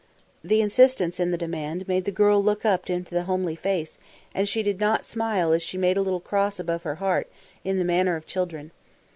The insistence in the demand made the girl look up into the homely face and she did not smile as she made a little cross above her heart in the manner of children.